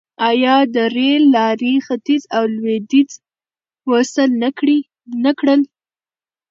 آیا د ریل لارې ختیځ او لویدیځ وصل نه کړل؟